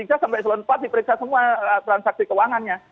sampai eselon empat diperiksa semua transaksi keuangannya